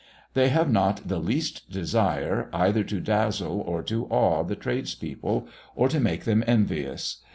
They have not the least desire either to dazzle or to awe the tradespeople or to make them envious.